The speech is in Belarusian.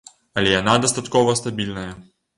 Але яна дастаткова стабільная.